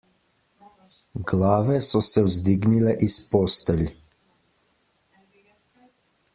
Glave so se vzdignile iz postelj.